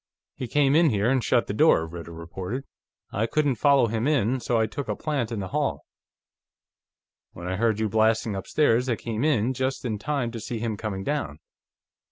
"He came in here and shut the door," Ritter reported. "I couldn't follow him in, so I took a plant in the hall. When I heard you blasting upstairs, I came in, just in time to see him coming down.